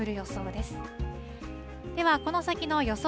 ではこの先の予想